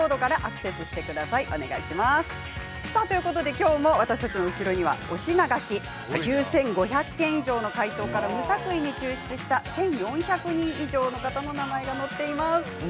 今日も私たちの後ろには推し名書き９５００件以上の回答から無作為に抽出した１４００人以上の方の名前が載っています。